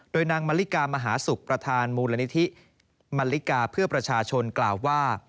โดยนางมริกามหาศุกร์ประธานมูลนิธิมันลิกาเพื่อประชาชนกล่าวว่า